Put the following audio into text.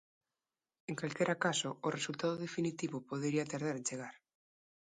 En calquera caso, o resultado definitivo podería tardar en chegar.